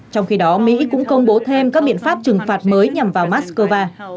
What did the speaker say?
trong khi đó mỹ cũng công bố thêm các biện pháp trừng phạt mới nhằm vào moscow